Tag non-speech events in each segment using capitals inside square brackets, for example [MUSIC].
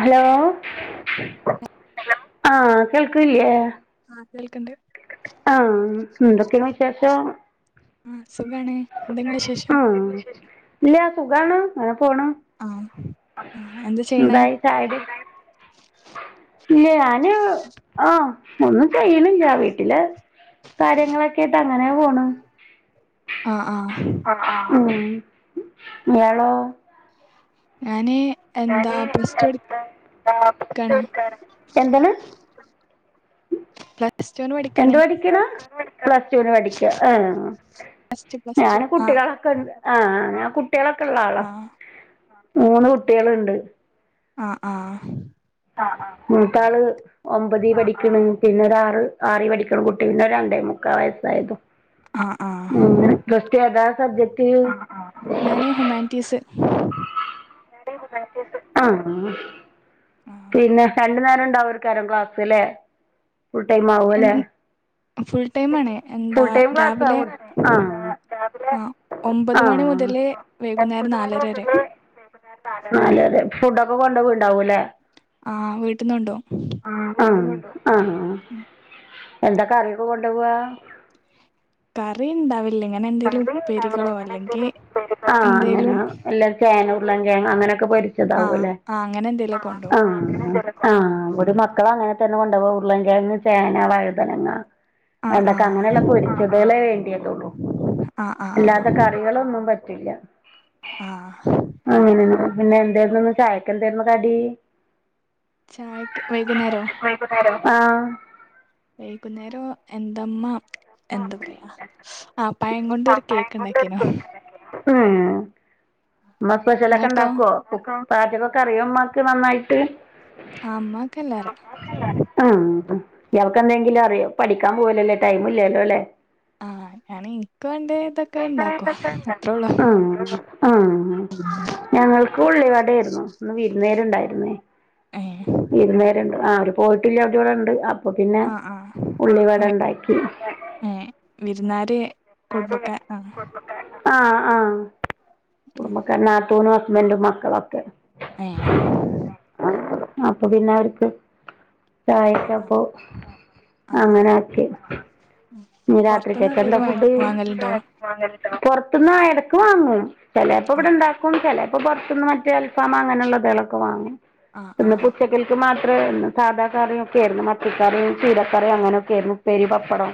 Hello ആഹ കേൾക്കല്ലയേ ആഹ് കേൾക്കണ്ട് ആഹ എന്തൊക്കെയാണ് വിശേഷം ആഹ സുഖണ എന്തെങ്ങളെ ശേഷം ആ ഇല്ല സുഖമാണ് പോണ ആഹ് ആഹ് എന്താ ചെയ്യണേ ബായി സായ ഇല്ല ഞാന് ആഹ് ഒന്നും ചെയലില്ല വീട്ടില് കാര്യങ്ങളൊക്കൊയിട്ട് അങ്ങനെ പോണ് ആഹ് ആഹ് മളോ അാന എന്താ പ്രസ്റ്റ് എടുക്കണ എന്താണ് എന്ത് പഠിക്കലോ പ്ലസ് ടുവിന് പഠിക്കുക ആ പ്ലസ് ടു പ്ലസ് ടു ഞൻ ആഹ് കുട്ടികളൊക്കെ ഉണ്ട് ആ കുട്ടികളൊക്കെ ഉള്ള ആളാ ആഹ് മൂന്ന് കുട്ടികളുണ്ട് ആ ആ മൂത്തള് ഒമ്പതി പഠിക്കണ് പിന്നെ ഒരുരാറ് ആറി പഠിക്കുന്ന കുട്ടികുടെ രണ്ടേ മുക്കാ വയസ്സായത് ആഹ് ആഹ് ഉ ഇങ്ങനെ ജസ്റ്റ്‌ കഥ സബജക്റ്റ് ആ ആ ഞാനേ ഹുമാൻറ്റീസ് ആ ആ പിന്നെ രണ്ട നേര ഉണ്ടാകാരും ക്ലാസ്ല്ലെ ഫുൾടൈം എൻ ആവുംല്ലെ ഫുൾ ടൈം ആണ് എന്താ ഫുൾടൈം രാവിലെ ക്ലാസ്സവു ആ ആ മുതലേ വൈകുന്നേരം നാലര വരെ അ അതെ അതെ ഫുഡ്ക്കെ കൊണ്ടൊക്കെ ഉണ്ടാവൂല്ലേ ആ വീട്ടന്നുണ്ടോ ആ എന്ത കറിയൊക്ക കൊണ്ടു പോവാ കറി ഇണ്ടാവില്ല ഇങ്ങനെ എന്തെലും കറി ഉണ്ടാവുല്ല ഉപ്പേരികളോ ഇങ്ങനെ എന്തേലും അല്ലെങ്കിൽ ഉപ്പേരി ആ അങ്ങന എന്തേലും എല്ല ചേന ഉള്ളാം അങ്ങനെ ന്തൊക്കെ ആഹ് പൊരിച്ചതകുല്ലേ ആഹ് അങ്ങനെ ആ എന്തേലും കൊണ്ടോവും ആ ഒരു മക്കള അങ്ങനെ തന്നെ കൊണ്ട പോ ഉള്ള കന്ന് ചേന വഴുതനങ്ങ ആഹ് വെണ്ടക്ക ആഹ് അങ്ങനെയുള്ള പൊരിച്ചതകെ വേണ്ടിയതള്ളൂ ആഹ് ആഹ് ഇല്ലാത്ത കറികളൊന്നും പ റ്റില്ല ആ പിന്നെ എന്തായിരുന്നുന്ന് ചായക്ക എന്തായിരുന്നു കടി ചായക്ക് വൈകുന്നേരോ ആ വൈകുന്നേരം എന്തമ്മ എന്താ പറയാ ആ ആ പേപ്പറിന്റെ എടുത്ത് വേഴിക്കുന്നുണ്ട് ഉ ഉം ഉമ്മ സ്പെഷ്യലൊക്കെ നിങ്ങൾക്കോ ഉണ്ടാക്കുവോ പാചകൊക്കെ അറിയോ ഉമ്മക്ക് നന്നായിട്ട് ആ ഉമ്മക്ക് എല്ലാറിയാം ഇയാക്ക്ന്തെങ്കിലും അറിയോ പഠിക്കാൻ പോവലല്ലേ ടൈം ഇല്ലല്ലോ അല്ലേ ആ ഞൻ എനിക്ക വണ്ട ഇതൊക്കെ ഇണ്ടാക്കോ അത്രേ ഉള്ളൂ ആ ആ ഞങ്ങൾക്ക് ഉള്ളിവാടെ ആയിരുന്നു ഇന്ന് വിരുന്ന് കാര് ഉണ്ടായിരുന്നേ ഏഹ് വിരുന്നുകര്ണ്ട് ആ അവര് പോയിട്ടില്ല അവര് ഇവിടെ ഇണ്ട് ആ അപ്പ പിന്നെ ആഹ് ആഹ് ഏഹ് ഉള്ളിവടണ്ടാക്കി ഏഹ് വിരുന്നാര് കുടുംബക്കാ ആ ആ ആ കുടുംബക്കാര് നാത്തൂനും ഹസ്ബൻഡും മക്കളൊക്കെ ഏ അപ്പ പിന്നെ അവർക്ക് ആഹ് ചായച്ക്കാപ്പോ ആഹ് ആഹ് അങ്ങനെ ആഹ് ആക്കി ഇനി പൊറത്ത്ന്ന് രാത്രികൊക്കെ എന്താ എന്തേലും ഫുഡ് വാങ്ങലുണ്ടോ പുറത്തുന്ന് പോയി എടക്ക് വാങ്ങും ചെലപ്പോ ഇവിടെ ആഹ് ഇണ്ടാക്കും ചെല പ്പം പുറത്തുന്ന് മറ്റേ അൽഫാമ് അങ്ങനെയുള്ളത് എളക്ക് വാങ്ങും ആഹ് പ്പ ഇന്ന് ആഹ് ഇപ്പം ഉച്ചക്കൾക്ക് മാ ത്രേ ഒന്ന് സാധാ കറി ഒക്കെ ആരുന്നു മത്തിക്കറിയും ചീരകറിയും അങ്ങനെയൊക്കെ ആരുന്നു ഉപ്പേരി പപ്പടം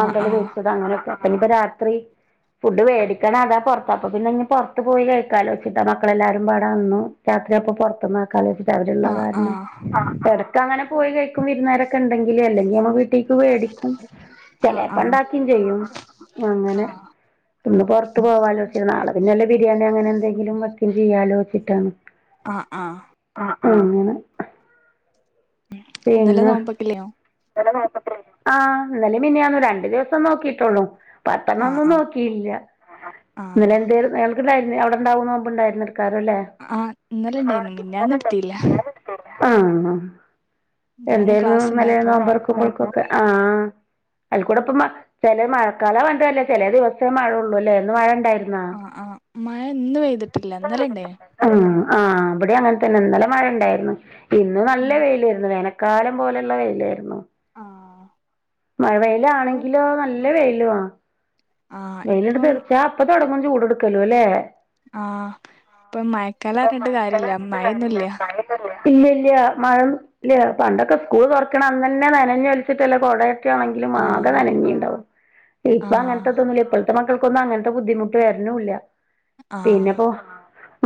ആഹ് ആഹ് പൊരിച്ചത് അങ്ങനെയൊക്കെ പിന്നിപ്പ രാത്രി ഫുഡ് വേടിക്കണം അതാ പുറത്താപ്പ പിന്നെ ഇനി പുറത്ത് പോയി കഴിക്കാലോ ഉച്ചയ്ക്ക് മക്കളെല്ലാരും പാടാന്നു രാ ത്രി അപ്പൊ പൊറ ഈ മയകാല് വെച്ചിട്ട് അവരെന്താ ആഹ് കാരണം ആഹ് ആ എടക്ക് അങ്ങനെ പോയി കഴിക്കും വിരുന്നാരൊക്കെ ഉണ്ടെങ്കില് അല്ലേ ഈയമ്മ വീട്ടിക്ക് വേടിക്കും ആഹ് ചിലപ്പാണ്ടാക്കയും ചെയ്യും അങ്ങനെ ആഹ് ഒന്ന് പുറത്ത് പോവാലോ ഇച്ചിരി നാള് പിന്നല്ലേ ബിരിയാണി അങ്ങനെ എന്തെങ്കിലും വെക്കയും ചെയ്യാലോ വെച്ചിട്ടാണ് ആ ആ ആ അങ്ങനെ ഉം ഇന്നലെ നോമ്പക്കില്ലിയോ ഇന്നലെ മേതട്ടിരങ്ങിയോ ആ ഇന്നലെയും മെനഞ്ഞാന്നും രണ്ടു ദിവസം നോക്കിട്ടുള്ളൂ ആഹ് പത്തണ്ണോന്നും ആഹ് നോക്കിയില്ല, ഇന്നലെ ആഹ് എന്തേലും നേൾക്കുണ്ടായിരുന്നു അവിടുണ്ടാവുന്ന് നോമ്പുണ്ടായിരുന്നത് ആ ഇന്നലെ ണ്ടായിരുന്നു, മെനഞ്ഞാന്ന് എടുത്തില്ലാ. ആഹ എന്തായിരുന്നു ക്ലാസ് ഇന്നലെ ഇണ്ടായപ്പോ നോമ്പിറക്കുമ്പോൾകൊക്കെ ആ അതിക്കൂടെ ഇപ്പമ, ചില മഴക്കാല വണ്ടാതല്ലേ ചില ദിവസം മഴയുള്ളൂലേ എന്ന് മഴ ഇണ്ടായി ആ ആ മഴ ഇന്ന് പെയ്തിട്ടില്ല ഇന്നലെ ഇണ്ടായി. ആ ആ അവിടെ അങ്ങനെ തന്നെ ഇന്നലെ മഴ ഇണ്ടായിരുന്നു ഇന്ന് നല്ല ഉം വെയിലായിരുന്നു വേന കാലം പോലെയുള്ള വെയിലായിരുന്നു. ആ മഴ വെയില് ആണെങ്കിലോ നല്ല വെയിലുഅ. ആഹ് ഇപ്പം വെയിലിടുത്ത് ഇടിച്ചാ അപ്പൊ തുടങ്ങും ചൂട് എടുക്കലും എല്ലേ? ആ ഇപ്പൊ മയക്കാല അറിഞ്ഞിട്ട് കാര്യ ഇല്ല മയയൊന്നും ഇല്ല. ഇല്ല ഇല്ല മഴ ഇല്ല, പണ്ടൊക്കെ സ്കൂള് തുറക്കണ അന്നന്നെ നനഞ്ഞൊലിച്ചിട്ടല്ലേ കൊട ക്ക ആണെങ്കിലും ആകെ ആഹ് നനഞ്ഞിണ്ടാവും ഇപ്പ ആഹ് അങ്ങനത്തൊതുന്നൂല്ല. [UNINTELLIGIBLE] മക്കൾക്കൊന്നും അങ്ങനത്തെ ബുദ്ധിമുട്ട് വരണൂല്ല, ആഹ് പിന്നിപ്പോ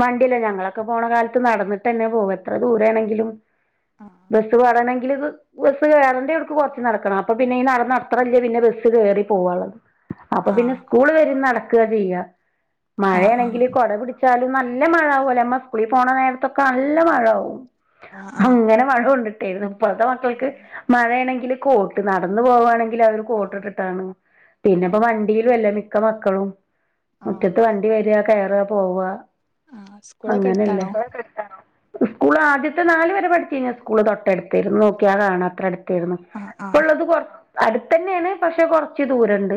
വണ്ടില്ലേ, ഞങ്ങളൊക്കെ പോണ കാലത്ത് നടന്നിട്ട് തന്നെ പോവും എത്ര ദൂര ആണെങ്കിലും ബസ് വരണ ഇല്ലിത് ബസ്സ് കയറണ്ടിടുക്ക് കൊറച്ച് നടക്കണം, അപ്പൊ പിന്നെ ഈ നടന്ന അത്ര ഇല്ല പിന്നെ ബസ്സ് കേറി പോവാനുള്ളത്. അപ്പ പിന്നെ ആഹ് സ്കൂൾ നടക്കുക ചെയ്യ, ആഹ് മഴയാണെങ്കില് ആഹ് കുട പിടിച്ചാൽ നല്ല മഴ ആകും അല്ലേ നമ്മ സ്കൂളിൽ പോണ നേരത്തൊക്കെ നല്ല മഴ ആവും, ആഹ് ആഹ് അങ്ങനെ മഴ കൊണ്ട് ഏന് ഇപ്പറത്തെ മക്കൾക്ക് മഴയാണെങ്കില് കോട്ട് നടന്നു പോവുവാണെങ്കി ഇല്ല അവര് ആഹ് ആഹ് കോട്ടിട്ടിട്ടാണ്, പിന്നെ ഇപ്പ ആഹ് വണ്ടിയിലും അല്ലേ മിക്ക മക്കളും. മുറ്റത്ത് ആഹ് വണ്ടി വരിക കയറുക പോവുക. ആഹ് സ്കൂളൊക്കെ അങ്ങനല്ലേ? അടുത്താണോ ഉസ്കൂൾ ആദ്യത്തെ നാല് വരെ പഠിച്ചു കിഞ്ഞാ സ്കൂള് തൊട്ടടുത്താരുന്ന് നോക്കിയാ കാണാം അത്രടുത്ത്. [UNINTELLIGIBLE] ആഹ് ഇപ്പ ആഹ് ഉള്ളത് കൊറ അടുത്തന്നെയാണ് പക്ഷേ കൊറച്ച് ദൂരണ്ട്.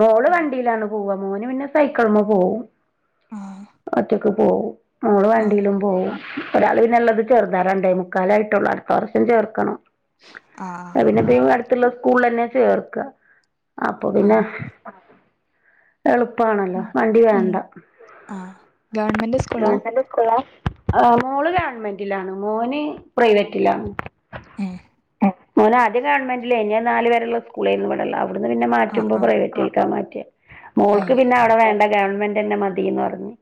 മോള് ആഹ് വണ്ടിയിലാണ് പോവുക, മോന് പിന്നെ സൈക്കിൾമേ പോവും, ആഹ് മറ്റ് ക്ക് പോവും, മോള് ആഹ് വണ്ടിയിലും പോവും ഒരാള് പിന്നെ ളളത് ചെറുതാ, രണ്ടേ മുക്കാലേ ആയിട്ടൊള്ള്, അടുത്ത വർഷം ചേർക്കണം. ആഹ് ആ പിന്നെപ്പ അടുത്തുള്ള സ്കൂള തന്നെ ചേർക്ക അപ്പൊ പിന്നെ ആഹ് [INAUDIBLE] എളുപ്പാണല്ലോ ഉം വണ്ടി ഉം വേണ്ട. ആഹ് ഗവൺമെന്റ് സ്കൂളാ ആ മോള് ഗവൺമെന്റിലാണ്, മോന് പ്രൈവറ്റിലാണ്. ഹേ ഓന് ആദ്യം ഗവൺമെന്റിലെന്നി അത് നാലുവരെയുള്ള സ്കൂളാ ര്ന് പണ്ടുള്ള അവിടുന്ന് പിന്നെ ആഹ് മാറ്റുമ്പോ ആഹ് പ്രൈവറ്റായി. മാറ്റിയ ഏഹ് മോക്കവിടെ വേണ്ട ഗവൺമെൻറ് തന്നെ മതിന്ന് പറഞ്ഞു.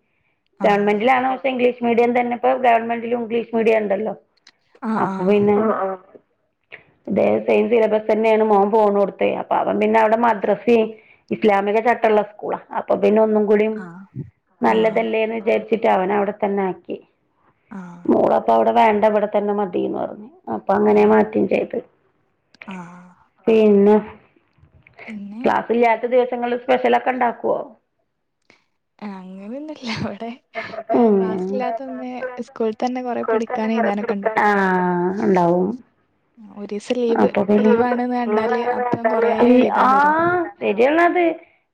ആഹ് ഗവൺമെന്റിലണോം ഇംഗ്ലീഷ് മീഡിയം തന്നെപ്പോ ഗവൺമെന്റിലും ഇംഗ്ലീഷ് മീഡിയം ഉണ്ടല്ലോ. ആഹ് അപ്പൊ ആഹ് പിന്നെ? ഹ് ങ അത സെയിം സിലബസ് തന്നെയാണ് മോൻ പോണൂടത്തെ അപ്പ അവൻ പിന്നെ മദ്രസ. ഇസ്ലാമിക ചട്ടമുള്ള സ്കൂള അപ്പൊ പിന്നെ ഒന്നും കൂടി ആഹ് ആഹ് നല്ലതല്ലേന്ന് വിചാരി ച്ചിട്ട അവന അവിടെ തന്നെ ആക്കി ആഹ് മോളപ്പ അവിടെ വേണ്ട ഇവിടെ തന്നെ മതിന്ന് പറഞ്ഞു. അപ്പൊ അങ്ങനെ ഏഹ് മാറ്റം ചെയ്തു, ആഹ് പിന്നെ? പിന്നെ ക്ലാസില്ലാത്ത ദിവസങ്ങളിൽ സ്പെഷ്യല് ഒക്കെ ഉണ്ടാക്കുവോ? അങ്ങനെ ഒന്നുല്ല ഉം അവിടെക്ലാസ് ഇല്ലാത്തൊന്ന സ്കൂള തന്നെ കൊറെ പഠി [UNINTELLIGIBLE] ആ ഉണ്ടാവും. ഒരീസം ലീവ് അപ്പൊ പിന്നെ ലീവാണെന്ന് കണ്ടാല് അപ്പം കൊറേ [INAUDIBLE] ആ എഴുതാൻ തരും ശരി [INAUDIBLE]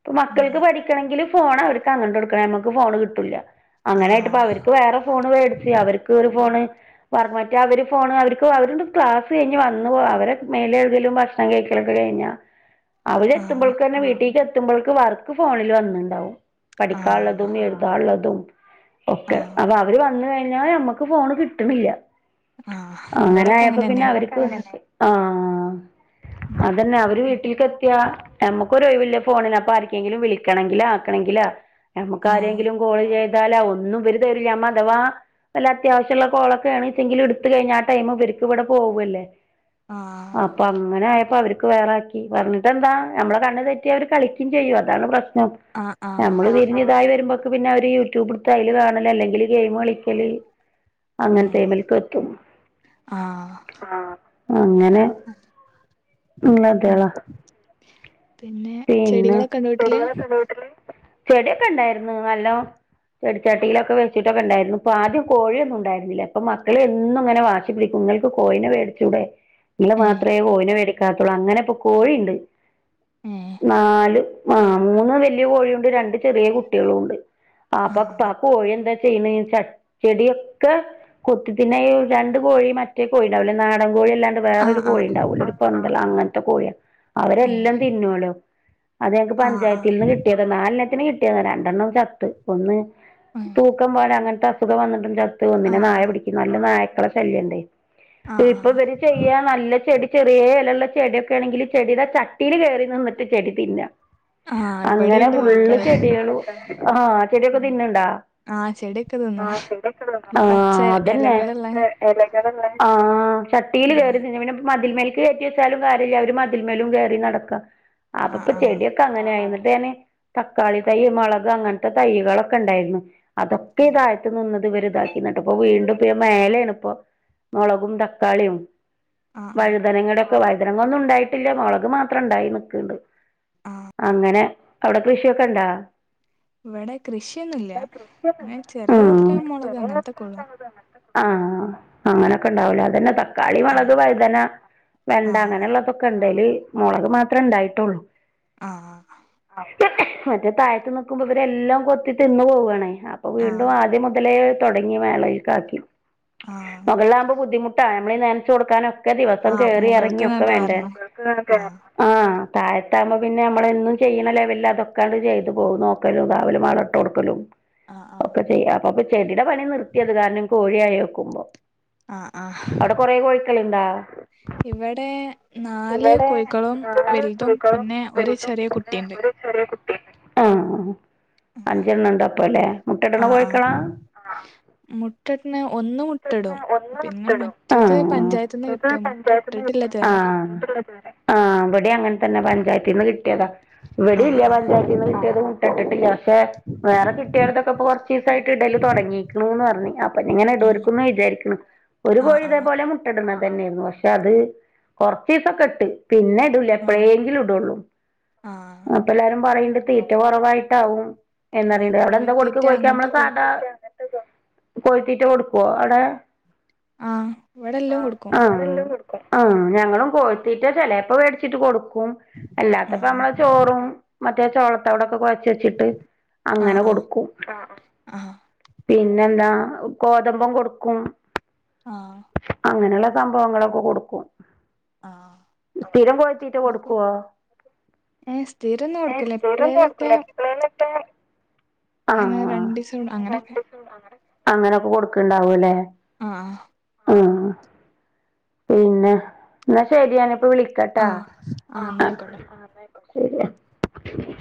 ഇപ്പ മക്കൾക്ക് പഠിക്കണമെങ്കില് ഫോൺ അവർക്ക് അങ്ങോട്ട് കൊടുക്കണംനമ്മക്ക് ഫോണ് കിട്ടൂല. അങ്ങനൊയിട്ട്പ്പൊ ആഹ് അവർക്ക് വേറെ ഫോണ് മേടിച്ച് അവർക്ക് ഒരു ഫോണ്. വർമറ്റ അവര് ഫോണ് അവർക്ക് അവരുണ്ട് ക്ലാസ് കഴിഞ്ഞ് വന്ന് പോ അവരെ മേല് കഴുകലും ഭക്ഷണം കഴിക്ക [UNINTELLIGIBLE] കഴിഞ്ഞോ. എത്തുമ്പോൾ ആഹ് തന്നെ വീട്ടിലക്ക് [UNINTELLIGIBLE] എത്തുമ്പോൾക്ക് വർക്ക് ഫോണിൽ വന്നിണ്ടാവും, പഠിക്കാള്ളത് എഴുതാള്ളതും ഓക്കെ ആഹ് അപ്പൊ അവര് വന്ന കഴിഞ്ഞാല് ഞമ്മക്ക് ഫോണ് കിട്ടണില്ല. ആഹ് അങ്ങനെ ഇവിടൊക്കെ ആയപ്പോ പിന്നെ അങ്ങനെന്നെ അവർക്ക് ആ. അതന്നെ അവര് വീട്ടിക്ക്കെത്തിയാ നമുകോരൊഴിവില്ല ഫോണിനന് അപ്പം ആർക്കെങ്കിലും വിളിക്കണങ്കിലോ ആകണമെങ്കിലോ നമുക്ക് ആഹ് ആരെങ്കിലും കോൾ ചെയ് എന്താല ഒന്നും ഇവരെ തരില്ല അഥവാ നല്ല അത്യാവശ്യം ഉള്ള കോൾ ഒക്കെ ആണെച്ചെങ്കിൽ ഇടുത്ത് കഴിഞ്ഞാൽ ആ ടൈം ഇവര്ക്ക് ഇവിടെ പോവല്ലേ. ആഹ് അപ്പൊ അങ്ങനെ ആയപ്പോ അവർക്ക് വേറാക്കി, പറഞ്ഞിട്ട് എന്താ നമ്മളെ കണ്ണ് തെറ്റി അവര് കളിക്കും ചെയ്യും അതാണ് പ്രശ്നം. ആഹ് ആഹ് നമ്മള് വിരിഞ്ഞ ഇതായി വരുമ്പോ പിന്നെ അവര് യൂട്യൂബടുത്ത അതിൽ കാണല് അല്ലെങ്കില് ഗെയിം കളിക്കല്. ഉം അങ്ങനത്തെമേല്ക്ക് എത്തും. ആഹ് ആ ആ. അങ്ങനെ ഉള്ള ഉം അതള പിന്നെ പിന്നെ ചെടികളൊക്കെ ഉണ്ടോ വീട്ടില് ചെടികളൊക്കെ ഉണ്ടോ വീട്ടില്? ചെടിയൊക്കെ ഇണ്ടായിരുന്നു നല്ലോ ചെടിച്ചാട്ടിയിലൊക്കെവെച്ചിട്ടൊക്കെണ്ടായിരുന്നു. പ്പൊആദ്യം കോഴിയൊന്നും ഉണ്ടായിന്നില്ല പ്പ മക്കള് എന്നും ങ്ങനെ വാശി പിടിക്കും. നിങ്ങൾക്ക് കോയിന മേടിചൂടെ. ഇങ്ങള് ഏഹ് മാത്രമേ കോയിനെ മേടിക്കാത്തുള്ളു. അങ്ങനെ ഇപ്പം കോയിണ്ട് ഏഹ് നാല് ആഹ് മൂന്ന് വലിയ കോഴിയുണ്ട് രണ്ട് ചെറിയ കുട്ടികളും ഉണ്ട്. ആപ്പ പ ആഹ് ആ കോഴി എന്തായ [UNINTELLIGIBLE] ചെടിയൊക്കെ കൊത്തി തിന്ന, ഈ രണ്ടു കോഴിയും മറ്റേ കോഴി ഉണ്ടാവില്ലേ നാടൻ കോഴി അല്ലാണ്ട് ആഹ് വേറരു കോഴി ആഹ് ഉണ്ടാവൂ ഒരു പന്തള അങ്ങനത്തെ കോഴിയ അവരെല്ലാം [UNINTELLIGIBLE] അത് ഞക്ക് ആഹ് ആഹ് പഞ്ചായത്തിൽന്ന് ആഹ് കിട്ടിയതോ നാലെണ്ണത്തിന് കിട്ടിയതാ രണ്ടെണ്ണം ചത്ത് ഒന്ന് തൂക്കംപാട അങ്ങനത്തെ അസുഖം വന്നിട്ടു ചത്ത്. ഒന്നിനെ ആഹ് നായ പിടിക്കും നല്ല നായക്കളെ ശല്യുണ്ട്. ആഹ് ഇപ്പ ആഹ് ഇവര് ചെയ്യാ നല്ല ചെടി ചെറിയ എലള്ള ചെടിയൊക്കെ ആണെങ്കിൽ ചെടിയുടെ ച ട്ടില് കേറി നിന്നിട്ട് ചെടി തിന്ന ആഹ് അങ്ങനെ ഇവിടെയുണ്ട് ഫുള്ള് കോഴിക്കള് ചെടികള്, ആ ചെടിയൊക്കെ തിന്നുണ്ടാ ആഹ് ചെടിയൊക്കെ ആ തിന്നും ചെടിയൊക്കെ ഈ [UNINTELLIGIBLE] ആ പച്ച അതന്നെ. ഇലകളുള്ള എല [UNINTELLIGIBLE] ആ ചട്ടിൽ ആഹ് കയറി തിന്ന പിന്നേ മ മതിൽമേൽക്ക്കയറ്റിവെച്ചാലുംകാര്യമല്ല. അവര് മതിൽമേലും കയറി നടക്ക അപ്പൊ ആഹ് ഇപ്പോ ആഹ് ചെടിയൊക്കെ അങ്ങനെ ആയിണ്. [UNINTELLIGIBLE] തക്കാളി തൈ മുളക് അങ്ങനത്തെ തൈ്യകളൊക്കെ ഉണ്ടായിരുന്നു. അതൊക്കെ ഇതാഴത്ത് നിന്ന് ഇവരി ഇതാക്കി. ഇങ്ങോട്ട്പ്പം വീണ്ടും. മേലെയാണ് ഇപ്പൊ മുളകും തക്കാളിയും ആഹ് ആഹ് വഴുതനങ്ങളുടെ വൈദനങ്ങ ഒന്നും ഉണ്ടായിട്ടില്ല, മുളക് മാത്രം ഇണ്ടായി നിക്കണ്ട്. ആഹ് അങ്ങനെ അവിടെ കൃഷിയൊക്കെ ഇണ്ടാ ഇവിടെ കൃഷിയൊന്നുമല്ല അങ്ങനെ ചെറിയ തോതി മുളക് അങ്ങനത്തൊക്കെ ഉള്ളു. ആഹ അങ്ങനൊക്കെ ഉണ്ടാവൂലേ അതന്നെ ത കളിമളക്, ആഹ് വൈതന, വെണ്ട ആഹ് അങ്ങനെള്ളതൊക്കെ ഉണ്ടെേൽ മുളക് മാത്രമേ ഉണ്ടായിട്ടുള്ളൂ. ആഹ മറ്റേ താഴത്ത് നിക്കുമ്പോ ഇവരെല്ലാം കൊത്തി തിന്ന പോവാണേ, അപ്പൊ വീണ്ടും ആഹ് ആദ്യം മുതലേ തുടങ്ങി മേളൽ കാക്കി ആഹ് മുകളിലാവകുമ്പോ ബുദ്ധിമുട്ടാ നമ്മളീ നനച്ചു കൊടുക്കാനോ ഒക്കെ ദിവസം കേറി ഇറങ്ങിയ ഒക്കെ വേണ്ടേ. ആ ആ താഴത്താവകുമ്പോ പിന്നെ, നമ്മളന്നും ചെയ്യണ ലെവലിൽ അതൊക്കാണ്ട് ചെയ്ത് പോക നോക്കലും രാവിലും മള ഇട്ട് കൊടുക്കലും. ആഹ് ആഹ് അപ്പൊ ചെയ അപ്പൊപ്പൊ ചെടിയുടെ പണി നിർത്തിയത്, കാരണം കോഴിയായി വെക്കുമ്പോ ആ ആ അവിടെ കൊറേ കോഴിക്കളുണ്ടാ ഇവിടെ നാല് കൊയ് മക്കളും വലുതും പിന്നെ ഒരു ചെറിയ കുട്ടിയുണ്ട്. ആഹ അഞ്ചെണ്ണ ഉണ്ട് അപ്പ അല്ലെ മുട്ട എടണ ആഹ് ആഹ് കോയിക്കളാ. മുട്ടട്ണ ഒന്ന് മുത്തട്ടന് മുട്ടടും ഒന്ന് പിന്നെ മുട്ടടും മറ്റത് പഞ്ചായത്ത്ന്ന് കിട്ടിയ മുട്ട പഞ്ചായത്തിന്ന് ഇട്ടിട്ടില്ല കിട്ട ഇതുവരെ ആഹ അവിടെ അങ്ങനെ തന്നെ പഞ്ചായത്തിൽ നിന്ന് കിട്ടിയതാ. ഇവിടെ ആഹ് ഇല്ല ആഹ് പഞ്ചായത്തിൽ നിന്ന് കിട്ടിയത് മുട്ട ഇട്ടിട്ടില്ല, പക്ഷെ വേറെ കിട്ടിയതൊക്കെ കുറച്ച് ദിവസായിട്ട് ഇട തോടങ്ങിക്ക്ന് ന്നർഞ് അപ്പ ഇങ്ങനെ ഉം [UNINTELLIGIBLE] വിചാരിക്ണ് ഒരു ആഹ് കോഴി ഇതേ ആഹ് പോലെ മുട്ട ഇട്ണ് തന്നെയിരുന്നു പക്ഷെ അത് കൊർച്ചീസൊക്കെ ഇട്ട് പിന്നെ ഇടൂല ആഹ് എപ്പഴെങ്കിലും ഇടോള്ളൂ ആഹ് അപ്പ എല്ലാരും പറയിണ്ട് തീറ്റ കൊറവായിട്ടാവും ആഹ് എന്നറിയ്ണ്ട് അവിടെ എന്താ കൊടുക്ക കോഴിത്തീറ്റ കോഴിക്ക് നമ്മളെ അങ്ങനത്തെ കോ സാധാ കോഴിത്തീറ്റ കൊടുക്കോ അടെ ആഹ് ഇവിടെ എല്ലാം കൊടുക്കും ആഹ് ആഹ് ഞങ്ങളും കോഴിത്തിറ്റ ചെലെപ്പോ വേടിച്ചിട്ട് കൊടു ക്കും എല്ലാത്തപ്പം ആഹ് അമ്മളെ ചോറും മറ്റേ ചോളത്തവിടെക്കെ കൊഴച്ച് വെച്ചിട്ട് ആഹ് അങ്ങനെ ആഹ് കൊട്ക്കും ആഹ് പിന്നെ എന്താ കോ തമ്പം കൊട്ക്കും ആഹ് സംഭവങ്ങളൊക്കെ കൊട്ക്കും ആഹ് സ്ഥിരം കൊഴിത്തിറ്റ കൊട്ക്കോ? ഏഹ് സ്ഥിരൊന്നും ഏ കൊടുക്കൂല സ്ഥിരം എപ്പളേലൊക്കെ കൊട്ക്കൂല എപ്പളെലൊക്കെ അങ്ങനെ ആഹ് രണ്ടീസം അങ്ങനൊക്കെ അങ്ങനൊക്കെ കൊട്ക്ക്ണ്ടാവും ല്ലേ ആഹ് പിന്ന എന്നാ ശരിയാണി പ്പ വിളിക്കാട്ടാ ആഹ് ആഹ് എന്ന ആയിക്കോട്ടെ ശെരി.